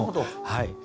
はい。